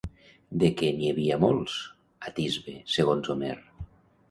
De què n'hi havia molts, a Tisbe, segons Homer?